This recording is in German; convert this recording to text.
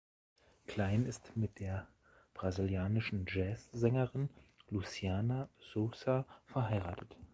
Klein ist mit der brasilianischen Jazzsängerin Luciana Souza verheiratet.